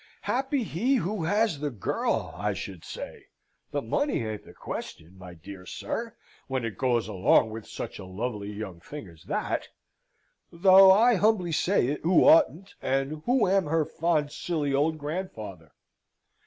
Happy he who has the girl, I should say the money ain't the question, my dear sir, when it goes along with such a lovely young thing as that though I humbly say it, who oughtn't, and who am her fond silly old grandfather.